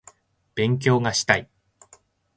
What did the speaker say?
勉強がしたい